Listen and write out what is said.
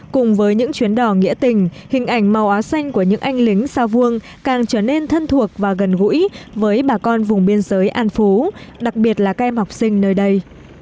cùng với những chuyến đò nghĩa tình hình ảnh màu áo xanh của những anh lính xa vuông càng trở nên thân thuộc và gần gũi với bà con vùng biên giới an phú đặc biệt là các em học sinh nơi đây